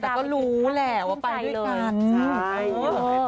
แต่ก็รู้แหละว่าไปด้วยกัน